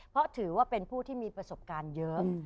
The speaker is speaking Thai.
เพราะถือว่าเป็นผู้ที่มีประสบการณ์เยอะ